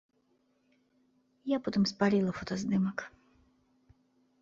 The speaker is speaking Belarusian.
Я потым спаліла фотаздымак.